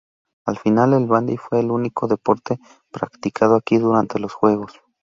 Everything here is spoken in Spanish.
Al final, el bandy fue el único deporte practicado aquí durante los Juegos.